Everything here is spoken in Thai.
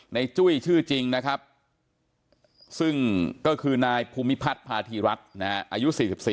จุ้ยชื่อจริงนะครับซึ่งก็คือนายภูมิพัฒน์พาธีรัฐอายุ๔๔